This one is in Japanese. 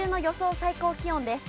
最高気温です。